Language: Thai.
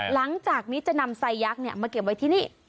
หลังจากนี้จะนำไซยักษ์มาเก็บไว้ที่นี่